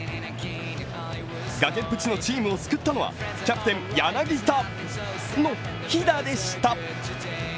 崖っぷちのチームを救ったのはキャプテン・柳田の秘打でした。